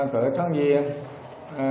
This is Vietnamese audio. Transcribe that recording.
của thằng diên